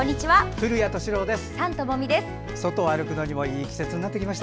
古谷敏郎です。